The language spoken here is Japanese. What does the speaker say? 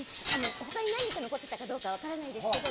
他に何人残ってたか分からないですけど